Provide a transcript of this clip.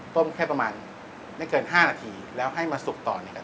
ต้มแค่ประมาณไม่เกิน๕นาทีแล้วให้มาสุกต่อเนี่ยครับ